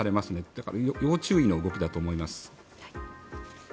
だから要注意の動きだと思います。